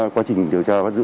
quá trình điều tra bắt giữ